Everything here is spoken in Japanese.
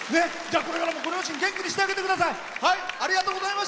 これからもご両親を元気にしてあげてください。